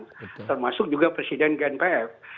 bukan satu golongan termasuk juga presiden gnpf